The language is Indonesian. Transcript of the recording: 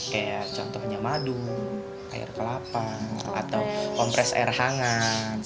kayak contohnya madu air kelapa atau kompres air hangat